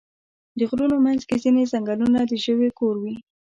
د غرونو منځ کې ځینې ځنګلونه د ژویو کور وي.